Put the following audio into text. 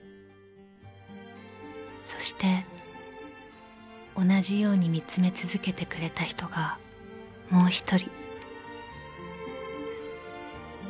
［そして同じように見つめ続けてくれた人がもう１人］